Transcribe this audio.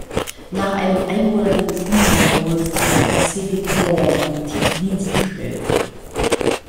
Nach einem einmonatigen Umbau wurde sie als "Pacific Dawn" in Dienst gestellt.